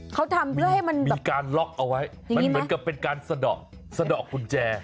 เขาทำเพื่อให้มันมีการล็อกเอาไว้มันเหมือนกับเป็นการสะดอกสะดอกกุญแจ